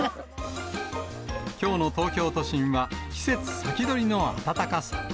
きょうの東京都心は、季節先取りの暖かさ。